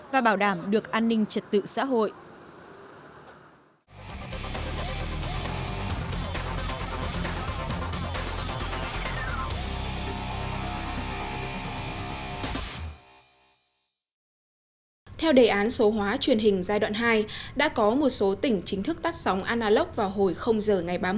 và bảo đảm được an ninh trật tự xã hội